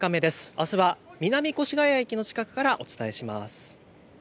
あすは南越谷駅の近くからお伝えします。